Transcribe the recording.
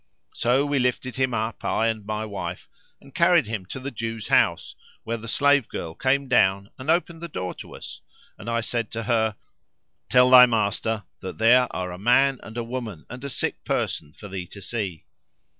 So we lifted him up, I and my wife, and carried him to the Jew's house where the slave girl came down and opened the door to us and I said to her, 'Tell thy master that there are a man and a woman and a sick person for thee to see!'